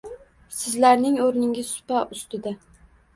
Sizlarning o’rningiz supa ustida